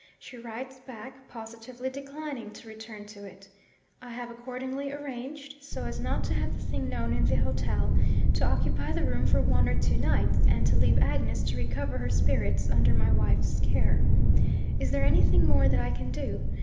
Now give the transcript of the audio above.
She writes back, positively declining to return to it. I have accordingly arranged (so as not to have the thing known in the hotel) to occupy the room for one or two nights, and to leave Agnes to recover her spirits under my wife's care. Is there anything more that I can do?